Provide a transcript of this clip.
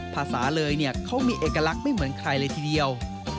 ภาษาเลยเนี่ยเขามีเอกลักษณ์ไม่เหมือนใครเลยทีเดียว